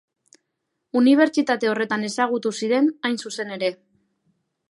Unibertsitate horretan ezagutu ziren, hain zuzen ere.